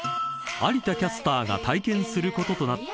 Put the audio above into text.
［有田キャスターが体験することとなった